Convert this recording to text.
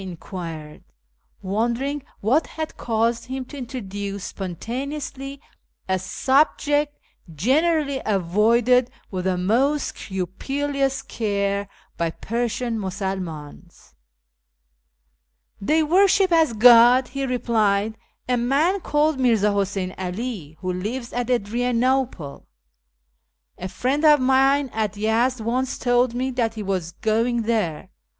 I enquired, wondering what had caused him to introduce spontaneously a subject generally avoided with the most scrupulous care by Persian Musulmans. " They worship as God," he replied, " a man called Mirza Huseyn 'All, who lives at Adrianople. A friend of mine at Yezd once told me that he was going there.